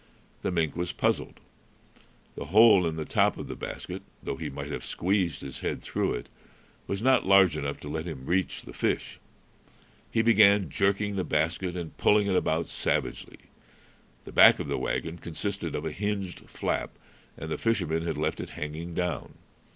The mink was puzzled. The hole in the top of the basket, though he might have squeezed his head through it, was not large enough to let him reach the fish. He began jerking the basket and pulling it about savagely. The back of the wagon consisted of a hinged flap, and the fishermen had left it hanging down.